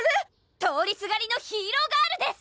⁉通りすがりのヒーローガールです！